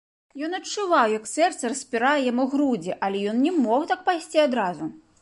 Ён адчуваў, як сэрца распірае яму грудзі, але ён не мог так пайсці адразу.